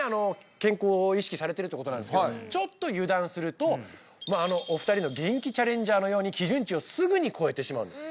健康を意識されてるってことなんですけどちょっと油断するとお二人のゲンキチャレンジャーのように基準値をすぐに超えてしまうんです